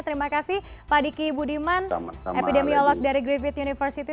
terima kasih pak diki budiman epidemiolog dari griffith university